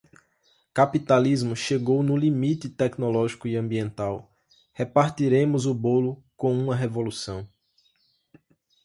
Capitalismo chegou no limite tecnológico e ambiental, repartiremos o bolo com uma revolução